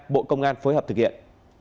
bộ công an phối hợp thực hiện